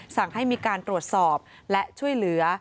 สั่งให้มีการตรวจสอบและช่วยเหลือ